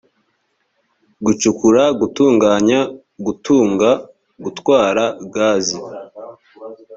gucukura gutunganya gutunga gutwara gaze